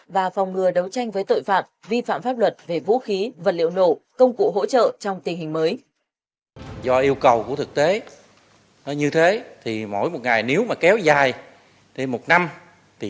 và phòng ngừa đấu tranh với tội phạm vi phạm pháp luật về vũ khí vật liệu nổ công cụ hỗ trợ trong tình hình mới